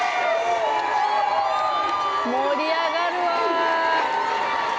盛り上がるわ。